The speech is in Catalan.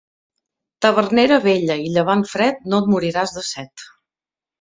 Tavernera vella i llevant fred, no et moriràs de set.